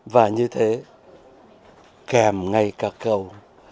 và như thế kèm ngay các câu